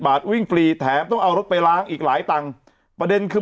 บาทวิ่งฟรีแถมต้องเอารถไปล้างอีกหลายตังค์ประเด็นคือ